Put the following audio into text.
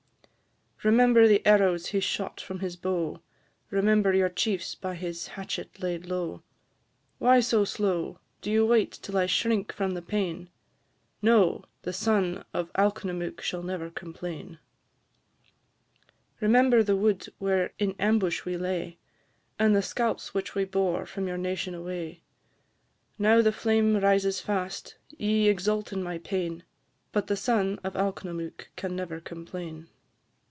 Remember the arrows he shot from his bow; Remember your chiefs by his hatchet laid low. Why so slow? Do you wait till I shrink from the pain? No! the son of Alknomook shall never complain. Remember the wood where in ambush we lay, And the scalps which we bore from your nation away: Now the flame rises fast; ye exult in my pain; But the son of Alknomook can never complain.